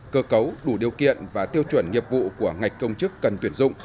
cơ cấu đủ điều kiện và tiêu chuẩn nghiệp vụ của ngạch công chức cần tuyển dụng